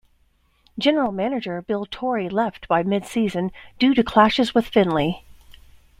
General manager Bill Torrey left by mid-season due to clashes with Finley.